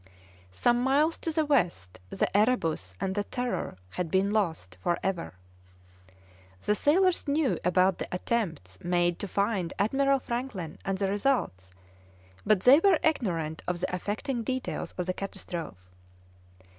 Some miles to the west the Erebus and the Terror had been lost for ever. The sailors knew about the attempts made to find Admiral Franklin and the results, but they were ignorant of the affecting details of the catastrophe.